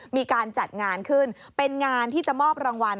มีการจัดงานขึ้นเป็นงานที่จะมอบรางวัล